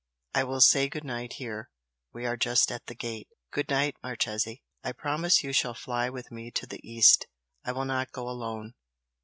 I will say good night here we are just at the gate. Good night, Marchese! I promise you shall fly with me to the East I will not go alone.